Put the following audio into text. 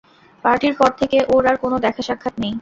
পার্টির পর থেকে ওর আর কোনো দেখা সাক্ষাত নেই।